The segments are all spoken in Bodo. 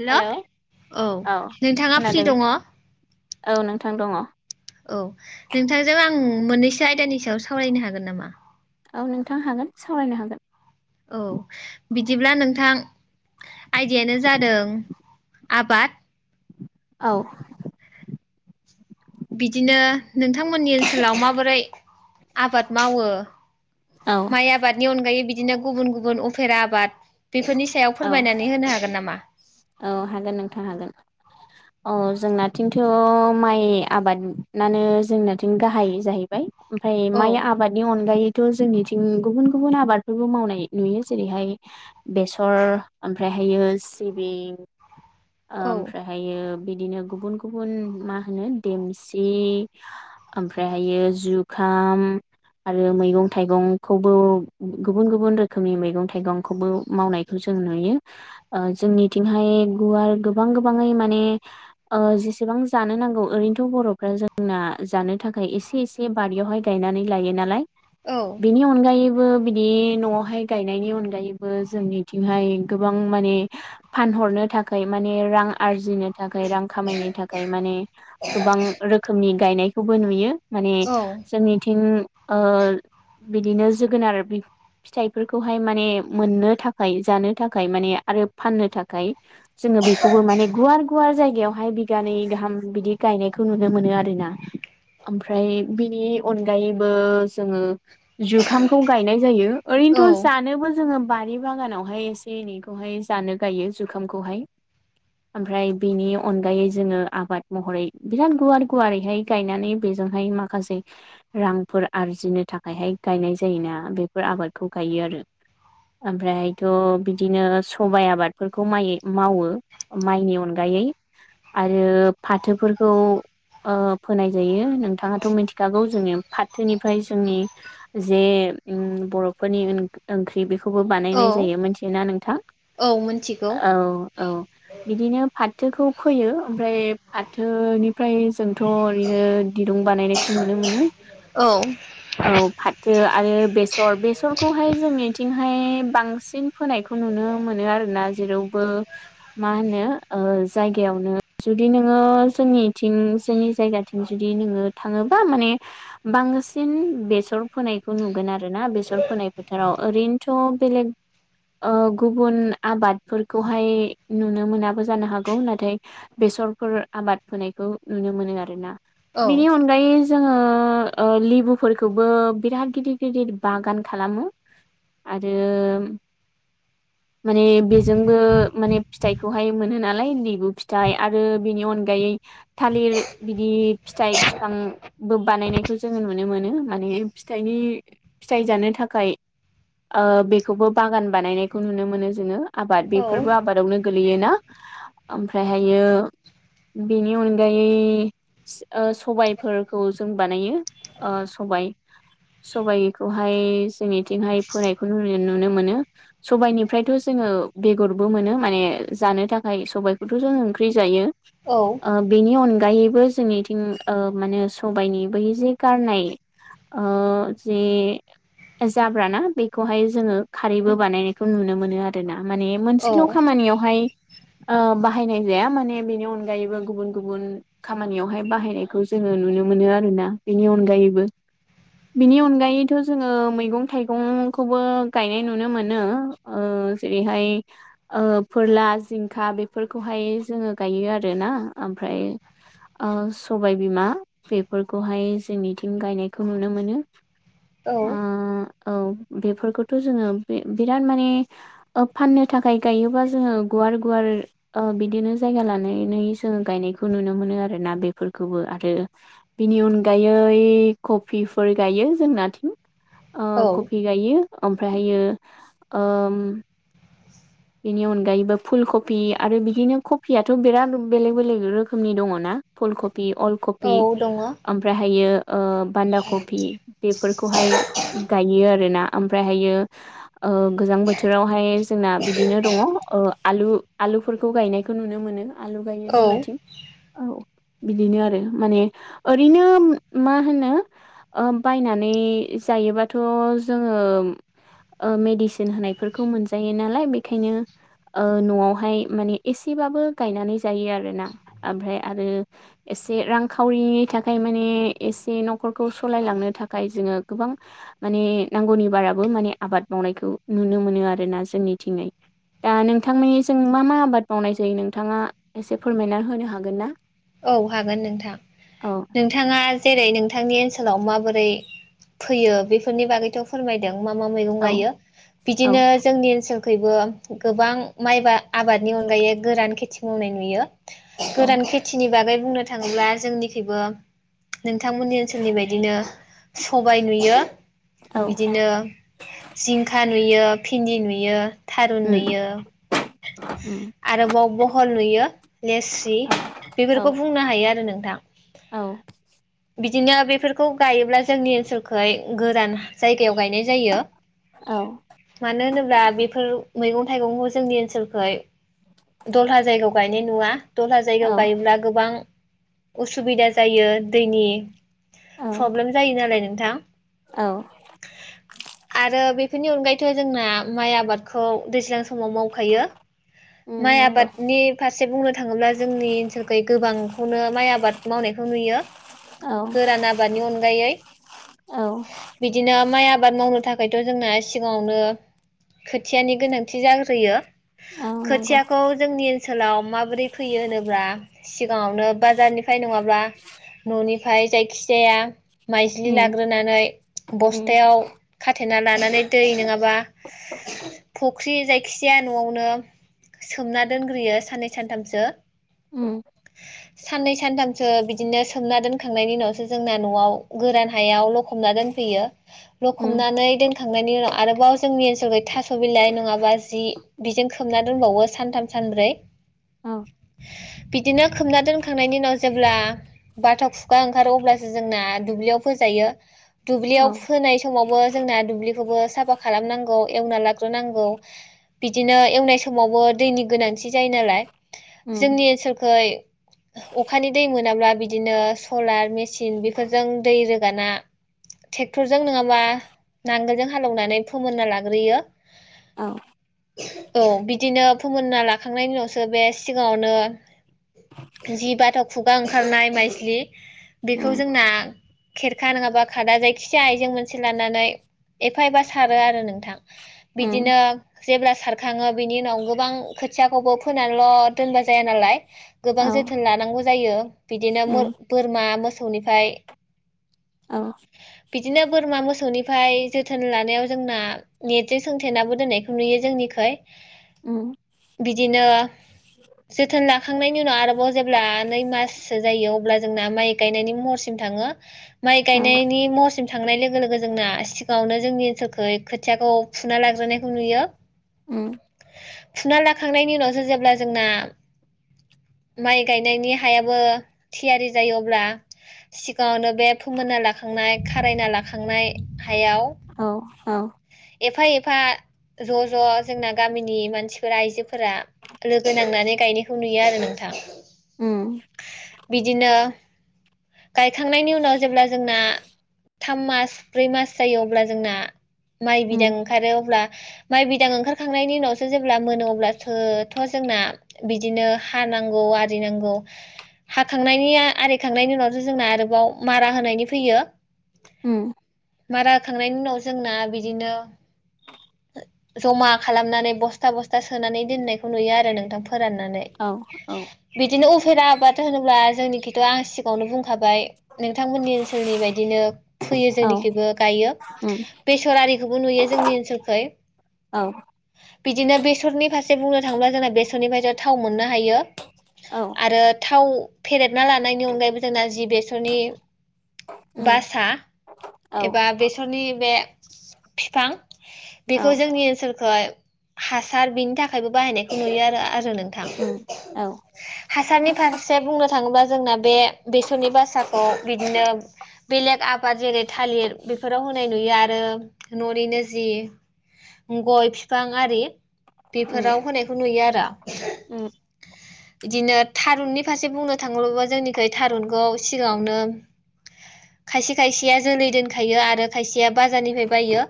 हेल हेलौ औ औ नोंथाङा खोनादों फ्रि दङ' औ नोंथां दङ' औ नोंथांजों आं मोननैसो आयदानि सायाव सावरायनो हागोन नामा? औ नोंथां हागोन सावरायनो हागोन। औ बिदिब्ला नोंथां आयडायानो जादों आबाद औ बिदिनो नोंथांमोननि ओनसोलाव माबोरै आबाद मावो औ माइ आबादनि अनगायै बिदिनो गुबुन गुबुन अफेरा आबाद बेफोरनि सायाव औ फोरमायनानै होनो हागोन नामा? औ हागोन नोंथां हागोन। औ जोंनाथिंथ माइ आबादनानो जोंना बिथिं गाहाय जाहैबाय ओमफाय औ माइ आबादनि अनगायै थ जोंनिथिं गुबुन गुबुन आबादफोरबो मावनाय नुयो जेरैहाय बेसर ओमफाय ओमहायो सिबिं औ ओमफ्रायहायो बिदिनो गुबुन गुबुन मा होनो देमसि ओमफ्रायहायो जुखा आम आरो मैगं थाइगंखौबो गुबुन गुबुन रोखोमनि मैगं थाइगंखौबो मावनायखौ जों नुयो ओ जोंनिथिंहाय गुवार गोबां गोबाङै माने ओ जेसेबां जानो नांगौ ओरैनोथ बरफ्रा जोंना जानो थाखाय एसे एसे बारियावहाय गायनानै लायो नालाय औ बेनि अनगायैबो बिदि नआवहाय गायनायनि अनगायैबो जोंनिथिंहाय गोबां माने फानहरनो थाखा य माने रां आरजिनो थाखाय रां खामायनो थाखाय माने गोबां रोखोमनि गायनायखौबो नुयो माने औ जोंनिथिं ओ बिदिनो जोगोनार बिफ फिथाइफोरखौहाय माने मोननो थाखाय जानो थाखाय माने आरो फाननो थाखाय गाय गयावहाय बिगानै गाहाम बिदि गायनायखौ नुनो मोनो आरो ना ओमफ्राय बिनि अनगायैबो जोङो जुखामखौ गायनाय जायो औ ओरैनोथ' जानोबो जोङो बारि बागानावहाय एसे एनैखौहाय जानो गायो जुखामखौहाय [inaudible] ओमफ्राय बेनि अनगायै जोङो आबाद महरै बिराद गुवार गुवारैहाय गायनानै बेजोंहाय माखासे रांफोर आरजिनो थाखायहाय गायनाय जायोना बेफोर आबादखौ गायो आरो ओमफ्राहायथ' बिदिनो सबाइ आबादफोरखौ माइ मावो माइनि अनगायै आरो फाथोफोरखौ ओ फोनाय जायो नोंथाङाथ' मिथिखागौ जोङो फाथोनिफ्राय जोंनि जे उम बर'फोरनि ओन ओंख्रि बे खौबो औ बानायनाय जायो मोनथियो ना नोंथां औ मिथिगौ औ औ बिदिनो फा फाथोखौ फोयो ओमफ्राय फाथोनिफ्राय जों थ' ओरैनो दिरुं बानायनायखौ नुनो मोनो औ औ फाथो आरो बेसर बेसरखौहाय जोंनिथिंहाय बांसिन फोनायखौ नुनो मोनो आरोना जेराव मा होनो ओ जायगायावनो जुदि नोङो जोंनिथिं जोंनि जायगाथिं जुदि नोङो थाङोबा माने बांसिन बेसर फोनायखौ नुगोन आरो ना बेसर फोनाय फोथाराव ओरैनोथ' बेलेग ओ गुबुन आबादफोर खौहाय नुनो मोनाबो जानो हागौ नाथाय बेसरफोर आबाद फोनायखौ नुनो मोनो आरोना औ बिनि अनगायै जोङो ओ ओ लिबुफोरखौबो बिराद गिदिर गिदिर बागान खालामो आरो माने बे जोंबो माने फिथायखौवहाय मोनो नालाय लेबु फिथाय आरो बिनि अनगायै थालिर बिदि फिथाइ फिफांबो बानायनायखौ जोङो नुनो मोनो माने फिथाइनि फिथाइ जानो थाखाय ओ बेखौबो बागान बानायनायखौ नुनो मोनो जोङो आबाद औ बेफोरबो आबादावनो गोलैयोना ओमफ्रायहायो बेनि अनगायै ओ सबायफोरखौ जों बानायो ओ सबाय सबायाइखौहाय जोंनिथिंहाय फोनायखौ नुनो मोनो सबायाइनिफ्रायथ' जोङो बेगरबो मोनो माने जानो थाखाय सबायाइखौथ' जों ओंख्रि जायो औ आ बेनि अन गायोबो जोंनिथिं ओ माने सबाइनि बै जे गारनाय आ जे जाब्राना बेखौहाय जोङो खारैबो बानायनायखौ नुनो मोनो आर ना माने मोनसेल' औ खामानियावहाय ओ बाहायनाय जाया माने बेनि अनगायैबो गुबुन गुबुन खामानियावहाय बाहायनायखौ जोङो नुनो नुनो मोनो आरोना बेनि अनगायैबो बिनि अनगायैथ' जोङो मैगं थाइगंखौबो गायनाय नुनो मोनो ओ जेरैहाय ओ फोरला जिंखा बेफोरखौहाय जोङो गायो आरोना ओमफ्राय ओमफ्राय ओ सबायबिमा बेफोरखौहाय जोंनिथिं गायनायखौ नुनो मोनो औ ओ औ बेफोरखौथ' जोङो बि बिराद माने फाननो थाखाय गायोबा जोङो गुवार गुवार ओ बिदिनो जायगा लानानै जोङो गायनाय नुनो मोनो आरोना बेफोरखौबो आरो बिनि अनगायै कपि फोर गायो [unintelligible] ओ औ कपि गायो ओममफ्रायहायो ओम बेनि अनगायैबो फुल कबि आरो बिदिनो कफियाथ' बिराद बेलेग बेलेग रोखोमनि दङना फुल कबि अल औ कपि दङ ओमफ्रायहायो ओ बान्दा कपि बेफोरखौहाय गायो आरोना ओमफ्रायहायो गोजां बोथोरावहाय जोंना बिदिनो दङ ओ आलु आलुफोरखौ गायनायखौ नुनो मोनो आलु गायो औ जोंनाथिं औ बिदिनो आरो माने ओरैनो मा होनो ओ बायनानै जायोबाथ' जोङो ओ मेडिसिन होनायफोरखौ मोनजायो नालाय खायनो ओ न'आवहाय माने एसेबाबो गायनानै जायो आरोना ओमफ्राय आरो एसे रांखावरिनि थाखाय माने एसे न'खरखौ सलायलांनो थाखाय जोङो गोबां माने नांगौनि बाराबो माने आबाद मावनायखौ नुनो मोनो आरोना जोंनिथिंङै। दा नोंथांमोननिजों मा मा आबाद मावनाय जायो नोंथाङा एसे फोरमायना होनो हागोन ना? औ हागोन नोंथां औ नोंथाङा जेरै नोंथांनि ओन सोलाव माबोरै फैयो बेफोरनि बागैथ' फोरमायदों। मा मा मैगं औ गायो औ बिदिनो जोंनि ओनसोलखैबो गोबां माइ बा आबादनि अनगायै गोरान खेथि मावनाय नुयो औ गोरान खेथि नि बागै बुंनो थाङोब्ला जोंनिखैबो नोंथांमोननि ओनसोलनि बायदिनो सबाय नुयो औ बिदिनो जिंखा नुयो भिन्दि नुयो। थारुन उम नुयो उम आरोबाव बहल नुयो लेस्रि औ बेफोरखौ बुंनो हायो आरो नोंथां। औ बिदिनो बेफोरखौ गायोब्ला जोंनि ओनसोलखै गोरान जायगायाव गायनाय जायो औ मानो होनोब्ला बेफोर मैगं थाइगंखौ जोंनि ओनसोलखै दलहा जायगायाव गायनाय नुवा। दलहा जायगायाव औ गायोब्ला गोबां उसुबिदा जायो। दैनि औ प्रब्लेम जायो नालाय नोंथां। औ आरो बे फोरनि अनगायैथ' जोंना माइ आबादखौ दैज्लां समाव मावखायो। उम माइ नंगौ आबादनि फारसे बुंनो थाङोब्ला जोंनि ओनसोलखै गोबांखौनो माइ आबाद मावनाय खो नुयो औ गोरान आबादनि अनगायै औ बिदिनो माइ आ बाद मावनो थाखायथ' जोंना सिगाङावनो खोथियानि गोनांथि जाग्रोयो। औ नंगौ खोथियाखौ जोंनि ओनसोलाव माबोरै फैयो होनोब्ला सिगाङावनो बाजारनिफ्राय नङाब्ला न'निफ्राय जायखि जाया माइज्लि उम लाग्रोनानै उम बस्थायाव खाथेना लानानै दै नङाबा फुख्रि जायखिजाया न'आवनो सोमना दोनग्रोयो साननै सानथामसो उम साननै सानथामसो बिदिनो सोमना दोनखांनायनि उनावसो जोंना न'आव गोरान हायाव लखबना दोनफैयो उम लखबनानै दोनखांनायनि उनाव आरोबाव जोंनि ओनसोलखै थास' बिलाइ नङाबा जि बिजों खोबना दोनबावो सानथाम सानब्रै औ बिदिनो खोमना दोनखांनायनि उनाव जेब्ला बाथाव खुगा ओंखारो अब्लासो जोंना दुब्लियाव फोजायो दुब्लियाव औ फोनाय समावबो जोंना दुब्लिखौबो साफा खालामनांगौ एवना लाग्रो नांगौ बिदिनो एवनाय समावबो दैनि गोनांथि जायो नालाय उम जोंनि ओनसोलखै अखानि दै मोनाब्ला बिदिनो सलार मेसिन बेफोरजों दै रो गोना ट्रेक्टरजों नङाबा नांगोलजों हालएवनानै फोमोनना लाग्रोयो औ औ बिदिनो फोमोनना लाखांनायनि उनावसो बे सिगाङावनो जि बाथ' खुगा ओंखारनाय माइज्लि बेखौ उम जोंना खेरखा नङाबा खादा जायखिजाया आइजें मोनसे लानानै एफा एफा सारो आरो नोंथां। उम बिदिनो जेब्ला सारखाङो बिनि उनाव गोबां खोथियाखौबो फोनानैल' दोनबा जाया नालाय। गोबां औ जोथोन लानांगौ जायो बिदिनो मो उम बोरमा मोसौनिफ्राय औ बिदिनो बोरमा मोसौनिफ्राय जोथोन लानायाव जोंना नेटजों सोंथेनाबो दोननायखौ नुयो जोंनिखै। उम बिदिनो जोथोन लाखांनायनि उनाव आरो बाव जेब्ला नै माससो जायो अब्ला जोंना माइ गायनायनि महरसिम थाङो माइ औ गायनायनि मसम थांनाय लोगो लोगो जोंना सिगाङावनो जोंनि ओनसोलखै खोथियाखौ फुना लाग्रोनायखौ नुयो उम फुना लाखांनायनि उनावसो जेब्ला जोंना माइ गायनायनि हायाबो थियारि जायोब्ला गावनो बे फोमोनना लाखांनाय खारायना लाखांनाय हायाव औ औ एफा एफा ज' ज' जोंना गामिनि मानसिफोरा आइजोफोरा लोगो नांनानै गायनायखौ नुयो आरो नोंथां उम बिदिनो गायखांनायनि उनाव जेब्ला जोंना थाम मास ब्रै मास जायो अब्ला जोंना माइ बिदां उम ओंखारो अब्ला माइ बिदां ओंखारखांनायनि उनावसो जेब्ला मोनो अब्लासोथ' जोंना बिदिनो हानांगौ आरि नांगौ हाखांनायनि आरिखांनायनि उनावो जों आरोबाव मारा होनायनि फैयो उम मार होखांनायनि उनाव जोंना बि बिदिनो जमा खालामनानै बस्था बस्था सोनानै दोननायखौ नुयो आरो नोंथां फोराननानै औ औ बिदिनो उफेरा आबाद होनोब्ला जोंनिखैथ' आं सिगाङावनो बुंखाबाय नोंथांमोननि ओनसोलनि बायदिनो फैयो औ जोंनिखैबो गायो उम बेसर आरिखौबो नुयो जोंनि ओनसोलखै औ बिदिनो बेसरनि फारसे बुंनो थाङोब्ला जोंना बेसरनिफ्रायथ' थाव मोननो हायो। औ आरो थाव फेरेदना लानायनि अनगायैबो जोंना जि बेसरनि उम बासा औ एबा औ बेसरनि बे बिफां बेखौ जोंनि ओनसोल ओमफ्राय हासार बिनि थाखायबो बाहायनायखौ नुयो आरो आरो नोंथां। उम औ हासारनि फारसे बुंनो थाङोब्ला जोंना बे बेसरनि बासाखौ बिदिनो बेलेग आबाद जेरै थालिर बेफोराव होनाय नुयो आरो न'निनो जि गय फिफां आरि उम उम बेफोराव होनायखौ नुयो आरो [unintelligible] उम बिदिनो थारुननि फारसे बुंनो थाङोबा जोंनिखै थारुनखौ सिगाङावनो खायसे खायसेया जोलै दोनखायो आरो खायसेया बाजारनिफ्राय बायो।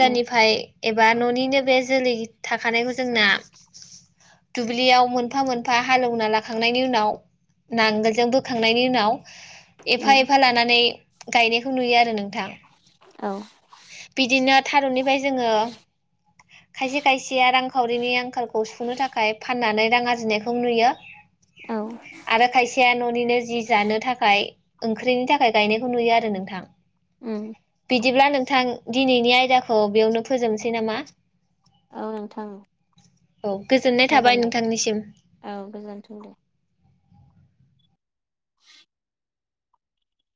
उम एबा न'निनो बे जोलै थाखानायखौ जोंना दुब्लियाव मोनफा मोनफा हालेवना लाखांनायनि उनाव नांगोलजों बोखांनायनि उनाव एफा एफा लानानै गायनायखौ नुयो आरो नोंथां औ बिदिनो थारुननिफ्राय जोङो खायसे खायसेया रांखावरिनि आंखालखौ सुफुंनो थाखाय फाननानै रां आरजिनायखौ नुयो औ [inaudible] आरो खायसेया न'निनो जि जानो थाखाय ओंख्रिनि थाखाय गायनायखौ नुयो आरो नोंथां। उम बिदिब्ला नों नोंथां दिनैनि आयदाखौ बेयावनो फोजोबनोसै नामा? औ नोंथां। औ गोजोनाय थाबाय जागोन दे नोंथांनिसिम। औ गोजोनथों दे [inaudible]